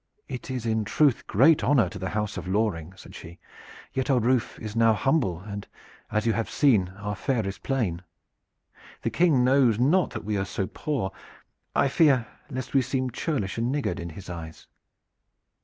"It is in truth great honor to the house of Loring," said she, "yet our roof is now humble and, as you have seen, our fare is plain. The King knows not that we are so poor. I fear lest we seem churlish and niggard in his eyes."